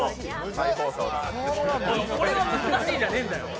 これは難しいじゃないんだよ